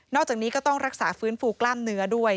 จากนี้ก็ต้องรักษาฟื้นฟูกล้ามเนื้อด้วย